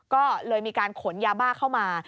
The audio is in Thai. ก็เลยมีการขนยาบ้าเข้ามา